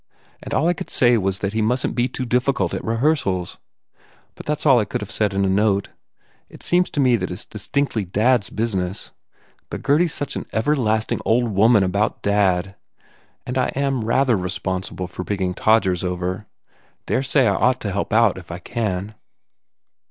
And all I could say was that he mustn t be too difficult at rehearsals. But that s all I could have said in a note. It seems to me that it s distinctly dad s business. But Gurdy s such an everlasting old woman about dad ! And I am rather responsible for bringing Todgers over. Dare say I ought to help out, if I can."